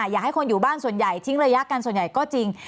อยากให้คนอยู่บ้านส่วนใหญ่ทิ้งระยะกันส่วนใหญ่ก็จริง